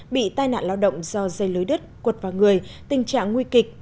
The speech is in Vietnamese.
bị tai nạn lao động do dây lưới đất cuột vào người tình trạng nguy kịch